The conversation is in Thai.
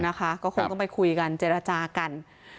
ก็คงต้องไปคุยกันเจรจากัน